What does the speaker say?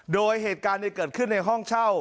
โดยเหตุการณ์เกิดขึ้นในห้องเช่า